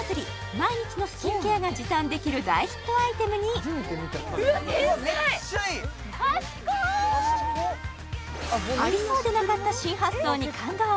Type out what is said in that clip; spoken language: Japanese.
毎日のスキンケアが時短できる大ヒットアイテムにありそうでなかった新発想に感動！